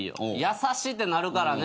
「優しい」ってなるからね